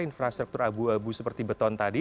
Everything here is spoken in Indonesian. infrastruktur abu abu seperti beton tadi